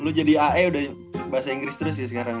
lu jadi ae udah bahasa inggris terus sih sekarang